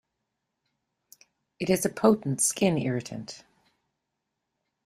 It is a potent skin irritant.